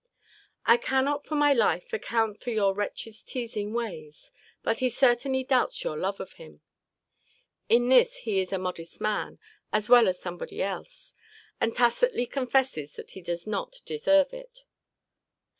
I cannot for my life account for your wretch's teasing ways; but he certainly doubts your love of him. In this he is a modest man, as well as somebody else; and tacitly confesses that he does not deserve it.